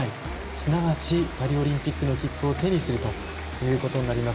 すなわち、パリオリンピックの切符を手にするということになります。